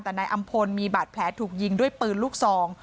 แต่นายอำพลมีบาดแผลถูกยิงด้วยปืนลูกซอง